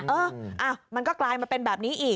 เออมันก็กลายมาเป็นแบบนี้อีก